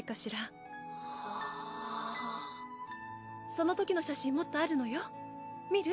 そのときの写真もっとあるのよ見る？